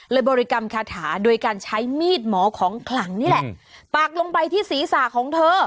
บริกรรมคาถาโดยการใช้มีดหมอของขลังนี่แหละปากลงไปที่ศีรษะของเธอ